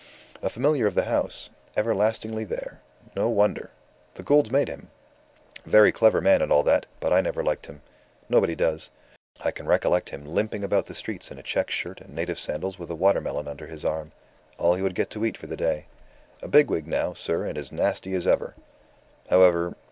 "A familiar of the house. Everlastingly there. No wonder. The Goulds made him. Very clever man and all that, but I never liked him. Nobody does. I can recollect him limping about the streets in a check shirt and native sandals with a watermelon under his arm all he would get to eat for the day. A big wig now, sir, and as nasty as ever. However